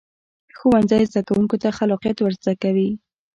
ښوونځی زده کوونکو ته خلاقیت ورزده کوي